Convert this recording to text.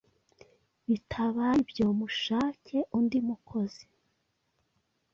Bitabaye ibyo mushake undi mukozi